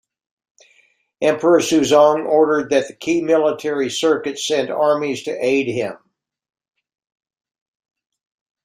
Emperor Suzong ordered that the key military circuits send armies to aid him.